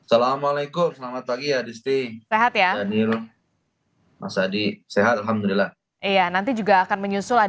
assalamualaikum selamat pagi ya adisti